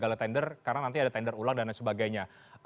gale tender karena nanti ada tender ulang dan lain sebagainya